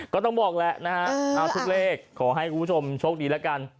ก็ต้องบอกแหละนะฮะเอาทุกเลขขอให้คุณผู้ชมโชคดีแล้วกัน